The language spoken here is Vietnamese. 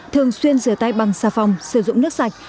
thường xuyên rửa tay bằng xà phòng sử dụng nước sạch